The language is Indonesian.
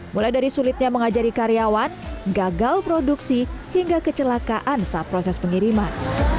mulai dari sulitnya mengajari karyawan gagal produksi hingga kecelakaan saat proses pengiriman